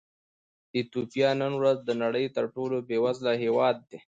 ایتوپیا نن ورځ د نړۍ تر ټولو بېوزله هېواد دی.